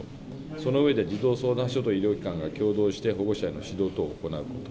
その上で、児童相談所と医療機関が協同して保護者への指導等を行うこと。